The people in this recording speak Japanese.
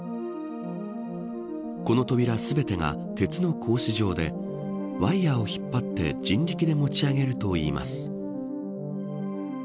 この扉全てが鉄の格子状でワイヤーを引っ張って人力で持ち上げるといいます。